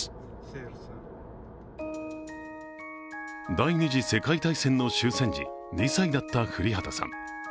第二次世界大戦の終戦時、２歳だった降籏さん。